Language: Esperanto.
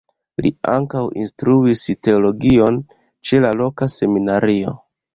Li ankaŭ instruis teologion ĉe la loka seminario.